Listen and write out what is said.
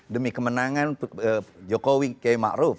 demi kemenangan jokowi k ma'ruf